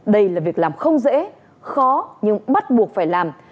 đây là việc làm không dễ khó nhưng bắt buộc phải làm